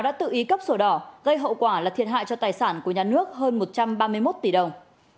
đã tự ý cấp sổ đỏ gây hậu quả là thiệt hại cho tài sản của nhà nước hơn một trăm ba mươi một tỷ đồng